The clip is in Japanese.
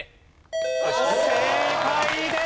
正解です！